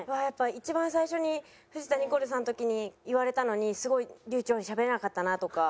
一番最初に藤田ニコルさんの時に言われたのにすごい流暢にしゃべれなかったなとか。